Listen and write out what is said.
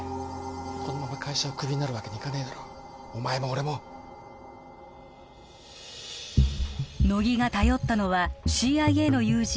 このまま会社をクビになるわけにいかねえだろお前も俺も乃木が頼ったのはＣＩＡの友人